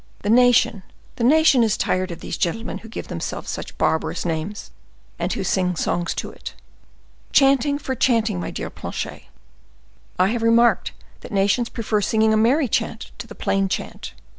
The nation—the nation is tired of these gentlemen who give themselves such barbarous names, and who sing songs to it. Chanting for chanting, my dear Planchet; I have remarked that nations prefer singing a merry chant to the plain chant.